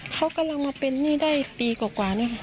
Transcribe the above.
เขากำลังมาเป็นนี่ได้ปีก่อน